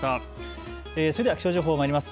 それでは気象情報まいります。